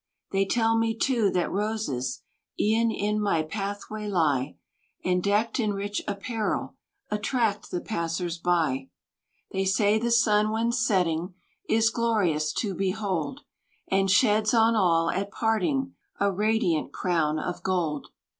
They tell me too that roses, E'en in my pathway lie; And decked in rich apparel, Attract the passers by. They say the sun when setting, Is glorious to behold; And sheds on all at parting, A radiant crown of gold.